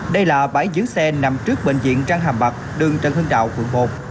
đây là bãi giữ xe nằm trước bệnh viện trang hàm bạc đường trần hưng đạo quận một